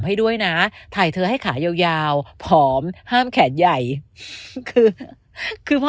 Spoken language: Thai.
ให้ด้วยนะถ่ายเธอให้ขายาวยาวผอมห้ามแขนใหญ่คือคือพอ